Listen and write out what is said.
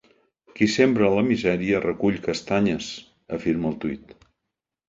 Qui sembra la misèria, recull castanyes afirma el tuit.